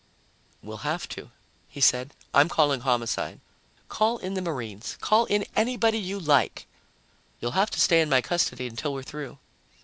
"We'll have to," he said. "I'm calling Homicide." "Call in the Marines. Call in anybody you like." "You'll have to stay in my custody until we're through."